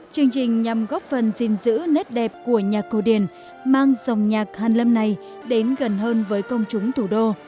chương trình nhằm góp phần gìn giữ nét đẹp của nhạc cổ điển mang dòng nhạc hàn lâm này đến gần hơn với công chúng thủ đô